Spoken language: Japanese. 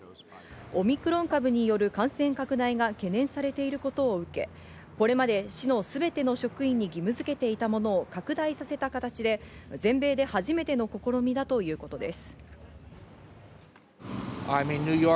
オミクロン株による感染拡大が懸念されていることを受け、これまで市のすべての職員に義務づけていたものを拡大させた形で全米で初めての試みだということです。